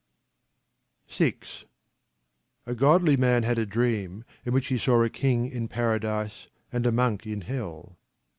VI A godly man had a dream in which he saw a king in paradise and a monk in hell.